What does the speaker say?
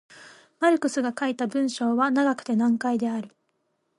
マルクスが書いた文章は長くて難解である。